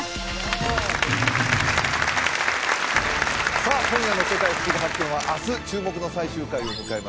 さあ今夜の「世界ふしぎ発見！」は明日注目の最終回を迎えます